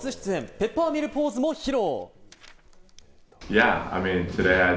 ペッパーミルポーズも披露。